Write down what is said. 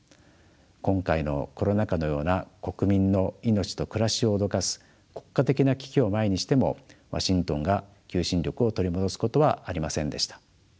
今回のコロナ禍のような国民の命と暮らしを脅かす国家的な危機を前にしてもワシントンが求心力を取り戻すことはありませんでした。